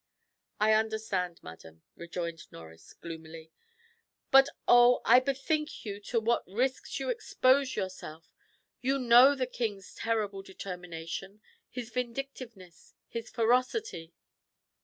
"I understand, madam," rejoined Norris gloomily. "But oh I bethink you to what risks you expose yourself. You know the king's terrible determination his vindictiveness, his ferocity."